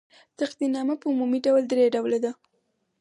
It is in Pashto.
تقدیرنامه په عمومي ډول درې ډوله ده.